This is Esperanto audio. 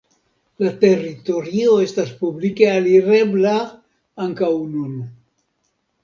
La teritorio estas publike alirebla ankaŭ nun.